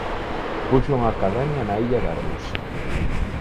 Puxo unha academia na Illa de Arousa.